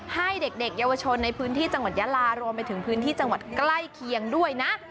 ให้เด็กเยาวชนในพื้นที่จังหวัดยาลารวมไปถึงพื้นที่จังหวัดใกล้เคียงด้วยนะ